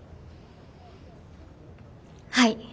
はい。